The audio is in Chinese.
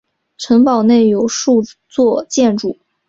城堡内有数座建筑。